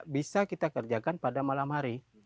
bisa kita kerjakan pada malam hari